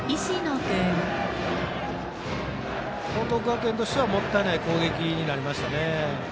報徳学園としてはもったいない攻撃になりました。